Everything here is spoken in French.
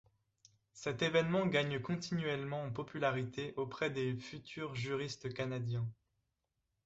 Cet événement gagne continuellement en popularité auprès des futurs juristes canadiens.